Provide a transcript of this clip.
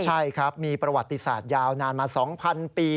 ใช่ครับมีประวัติศาสตร์ยาวนานมา๒๐๐ปี